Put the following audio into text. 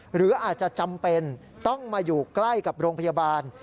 หรืออาจจะจำเป็นต้องมาอยู่ใกล้กับโรงพยาบาล